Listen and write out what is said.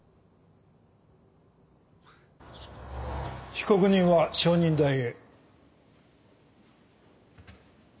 被告人は証人台へ。